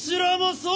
そう！